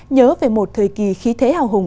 nhớ về một thời kỳ khí thế hào hùng